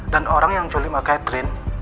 dan orang yang culik mbak catherine